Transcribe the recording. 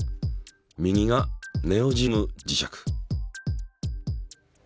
右がネオジム磁石。